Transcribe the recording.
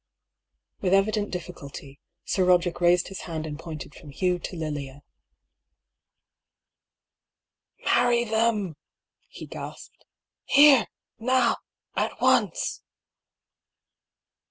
With evident difficulty, Sir Roderick raised his hand and pointed from Hugh to Lilia. " Marry them I " he gasped. " Here, now, at once